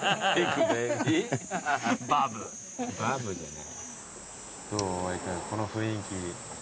君この雰囲気。